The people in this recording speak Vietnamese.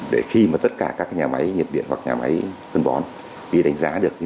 để khi mà tất cả các nhà máy nhiệt điện hoặc nhà máy cân bón đi đánh giá được